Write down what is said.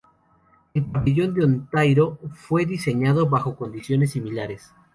El pabellón de Ontario fue diseñado bajo condiciones similares.